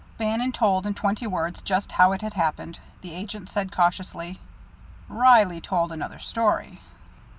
Bannon told in twenty words just how it had happened. The agent said cautiously: "Reilly told another story."